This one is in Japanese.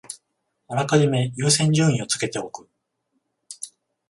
あらかじめ優先順位をつけておく